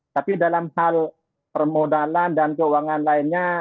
tapi dalam hal permodalan dan keuangan lainnya